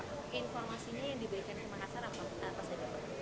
informasinya yang diberikan ke makassar apa saja pak